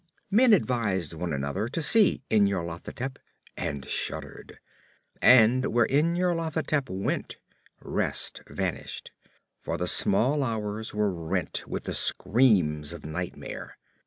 Men advised one another to see Nyarlathotep, and shuddered. And where Nyarlathotep went, rest vanished; for the small hours were rent with the screams of nightmare.